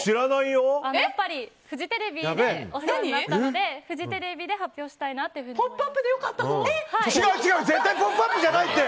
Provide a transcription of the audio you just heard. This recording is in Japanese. やっぱりフジテレビでお世話になったのでフジテレビで発表したいなと思って。